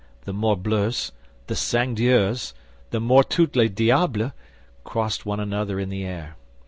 The morbleus, the sang Dieus, the morts touts les diables, crossed one another in the air.